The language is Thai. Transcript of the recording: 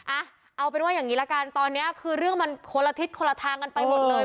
อ่ะเอาเป็นว่าอย่างนี้ละกันตอนนี้คือเรื่องมันคนละทิศคนละทางกันไปหมดเลย